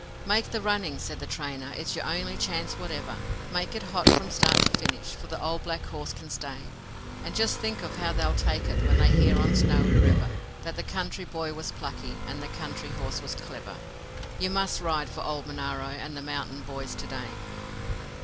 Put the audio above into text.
'Make the running,' said the trainer, 'it's your only chance whatever, Make it hot from start to finish, for the old black horse can stay, And just think of how they'll take it, when they hear on Snowy River That the country boy was plucky, and the country horse was clever. You must ride for old Monaro and the mountain boys to day.'